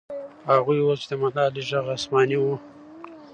هغوی وویل چې د ملالۍ ږغ آسماني و.